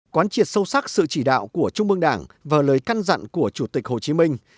quán triệt sâu sắc sự chỉ đạo của trung mương đảng và lời căn dặn của chủ tịch hồ chí minh